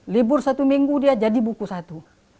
libur satu minggu dia jadi buku satu